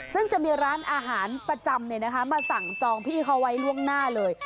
ซึ่งจะมีร้านอาหารประจำมาสั่งจองพี่เขาไว้ล่วงหน้าเลย